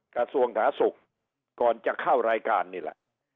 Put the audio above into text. กระทรวงสาธารณสุขก่อนจะเข้ารายการนี่แหละ